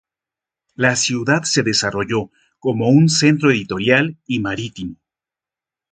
La ciudad se desarrolló como un centro editorial y marítimo.